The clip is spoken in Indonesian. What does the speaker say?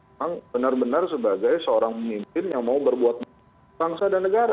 memang benar benar sebagai seorang pemimpin yang mau berbuat bangsa dan negara